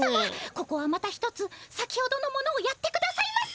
ここはまたひとつ先ほどのものをやってくださいませ！